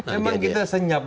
memang kita senyap